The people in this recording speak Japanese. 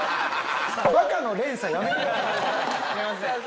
すいません。